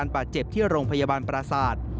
เพื่อโรงพยาบาลปราศาสตร์